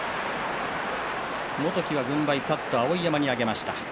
元基は軍配をさっと碧山に上げました。